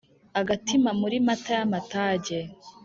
agatima muri mata y’amatage.